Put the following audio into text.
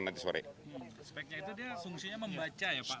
speknya itu fungsinya membaca ya pak